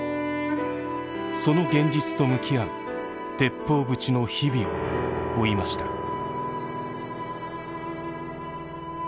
その現実と向き合う鉄砲ぶちの日々を追いました。